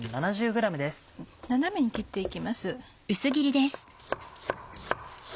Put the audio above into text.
斜めに切って行きます。